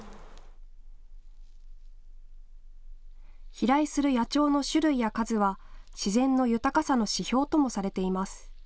飛来する野鳥の種類や数は自然の豊かさの指標ともされています。